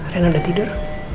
rena udah tidur